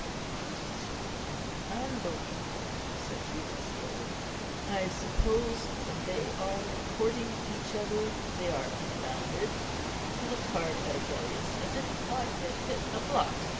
"Christian and unbeliever!" said Juba, slowly. "I suppose, when they are a courting each other, they are confounded." He looked hard at Agellius, as if he thought he had hit a blot.